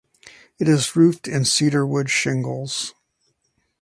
It is roofed in cedar wood shingles.